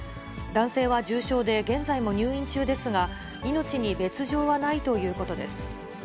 男性は重傷で、現在も入院中ですが、命に別状はないということです。